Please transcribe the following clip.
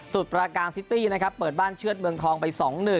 ประการซิตี้นะครับเปิดบ้านเชือดเมืองทองไป๒๑